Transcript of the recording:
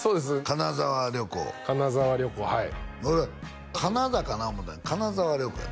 金沢旅行金沢旅行はいカナダかなと思うたら金沢旅行やったね